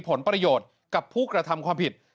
ผลประโยชน์กับผู้กระทำความผิด